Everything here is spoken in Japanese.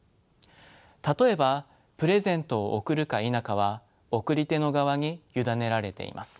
例えばプレゼントを贈るか否かは送り手の側に委ねられています。